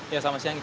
ya selamat siang